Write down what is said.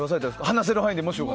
話せる範囲で。